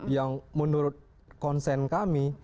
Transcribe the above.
yang menurut konsen kami